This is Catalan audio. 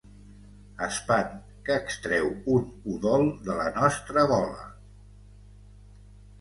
Espant que extreu un udol de la nostra gola.